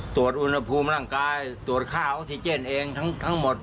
ตรวจอุณหภูมิร่างกายตรวจค่าออกซิเจนเองทั้งหมด